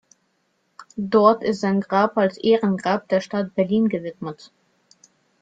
Dort ist sein Grab als Ehrengrab der Stadt Berlin gewidmet.